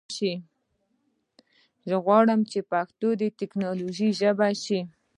زه غواړم چې پښتو د ټکنالوژي ژبه شي.